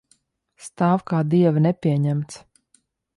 Stāv kā dieva nepieņemts.